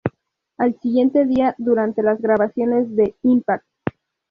Al siguiente día, durante las grabaciones de "Impact!